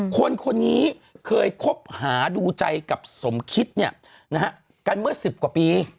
คนคนนี้เคยคบหาดูใจกับสมคิดกันเมื่อ๑๐กว่าปี